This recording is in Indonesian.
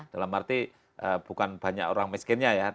dalam arti bukan banyak orang miskinnya ya